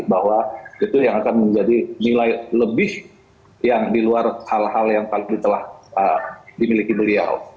bahwa itu yang akan menjadi nilai lebih yang di luar hal hal yang paling telah dimiliki beliau